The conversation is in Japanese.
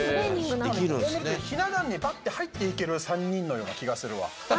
ひな壇にパッて入っていける３人のような気がするわ。